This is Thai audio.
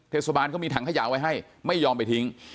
เทศบาลเขามีถังขยะไว้ให้ไม่ยอมไปทิ้ง